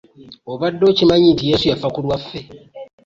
Obadde okimanyi nti Yesu yafa ku lwaffe?